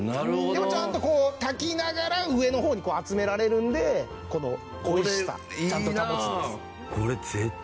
でもちゃんとこう炊きながら上の方に集められるのでこの美味しさちゃんと保つんです。